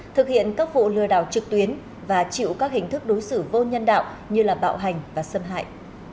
thực hiện các vụ lừa đảo trực tuyến và chịu các hình thức đối xử vô nhân đạo như bạo hành và xâm hại